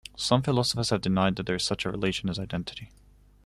Some philosophers have denied that there is such a relation as identity.